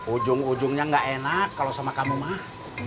ujung ujungnya gak enak kalau sama kamu mah